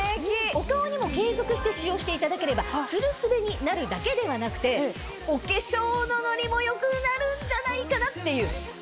お顔にも継続して使用していただければツルスベになるだけではなくてお化粧のノリも良くなるんじゃないかなっていう。